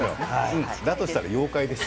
だとしたら妖怪です。